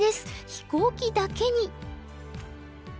飛行機だけに。